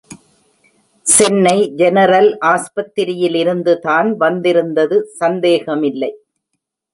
Chennai general ஆஸ்பத்திரியிலிருந்து தான் வந்திருந்தது சந்தேகமில்லை.